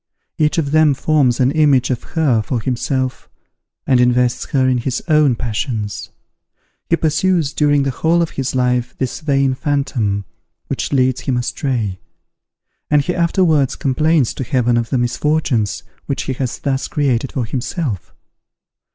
Each of them forms an image of her for himself, and invests her with his own passions. He pursues during the whole of his life this vain phantom, which leads him astray; and he afterwards complains to Heaven of the misfortunes which he has thus created for himself.